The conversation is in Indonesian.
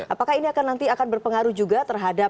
apakah ini nanti akan berpengaruh juga terhadap